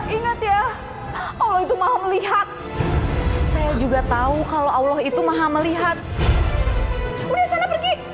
ingat ya allah itu maha melihat saya juga tahu kalau allah itu maha melihat udah sana pergi